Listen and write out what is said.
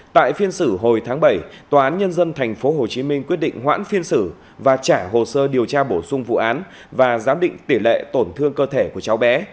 tại phiên xử hồi tháng bảy tòa án nhân dân thành phố hồ chí minh quyết định hoãn phiên xử và trả hồ sơ điều tra bổ sung vụ án và giám định tỷ lệ tổn thương cơ thể của cháu bé